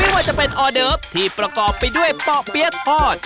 ว่าจะเป็นออเดิฟที่ประกอบไปด้วยปอกเปี๊ยะทอด